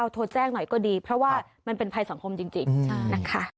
โทรแจ้งหน่อยก็ดีเพราะว่ามันเป็นภัยสังคมจริงนะคะ